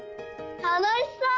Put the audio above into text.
「たのしそう！」。